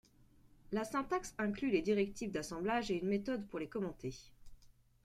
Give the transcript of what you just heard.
La syntaxe inclut les directives d'assemblage et une méthode pour les commenter.